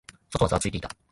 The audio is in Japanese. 外はざわついていた。